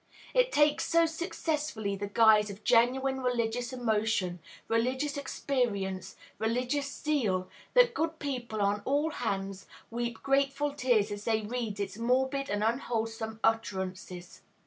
It takes so successfully the guise of genuine religious emotion, religious experience, religious zeal, that good people on all hands weep grateful tears as they read its morbid and unwholesome utterances.